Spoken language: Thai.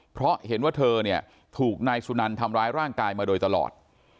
เพราะเห็นว่าเธอเนี่ยถูกนายสุนันทำร้ายร่างกายมาโดยตลอด